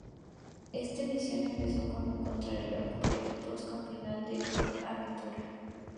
Esta edición empezó con una contrarreloj por equipos con final en Port Aventura.